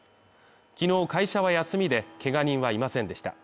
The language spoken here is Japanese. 昨日会社は休みで、けが人はいませんでした。